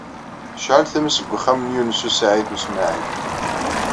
Tecɛel tmes deg uxxam n Yunes u Saɛid u Smaɛil.